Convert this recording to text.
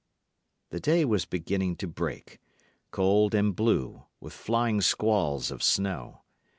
The day was beginning to break, cold and blue, with flying squalls of snow.